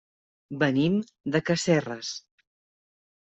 Venim de Casserres.